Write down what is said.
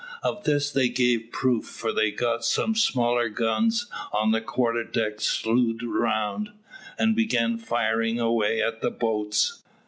Of this they gave proof, for they got some smaller guns on the quarter deck slewed round, and began firing away at the boats.